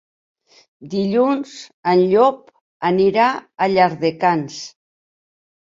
Dilluns en Llop anirà a Llardecans.